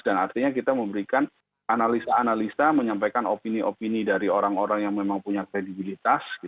dan artinya kita memberikan analisa analisa menyampaikan opini opini dari orang orang yang memang punya kredibilitas